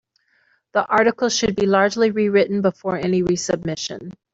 The article should be largely rewritten before any resubmission.